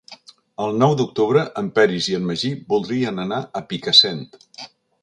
El nou d'octubre en Peris i en Magí voldrien anar a Picassent.